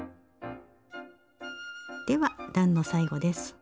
では段の最後です。